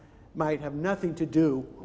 dua hal berlaku pada saat yang sama